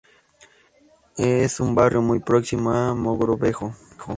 Es un barrio muy próximo a Mogrovejo.